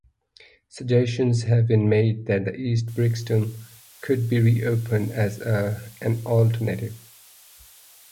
Suggestions have been made that the East Brixton could be re-opened as an alternative.